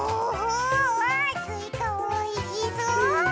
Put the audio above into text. わあすいかおいしそう！